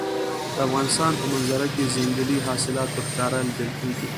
د افغانستان په منظره کې ځنګلي حاصلات په ښکاره لیدل کېږي.